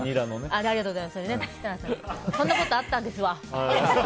そんなことあったんですわ。